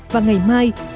và ngày mai phải đạt được